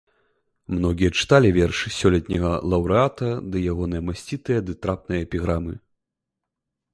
Многія чыталі вершы сёлетняга лаўрэата ды ягоныя масцітыя ды трапныя эпіграмы.